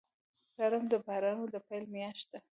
لړم د بارانونو د پیل میاشت ده.